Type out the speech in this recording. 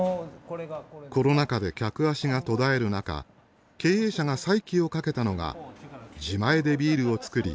コロナ禍で客足が途絶える中経営者が再起をかけたのが自前でビールを造り